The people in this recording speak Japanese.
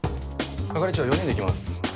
係長４人で行きます。